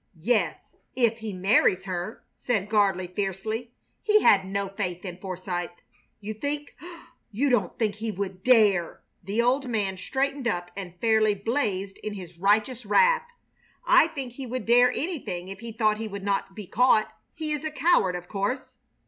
"Yes, if he marries her," said Gardley, fiercely. He had no faith in Forsythe. "You think you don't think he would dare!" The old man straightened up and fairly blazed in his righteous wrath. "I think he would dare anything if he thought he would not be caught. He is a coward, of course."